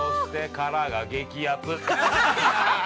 ◆殻激アツ！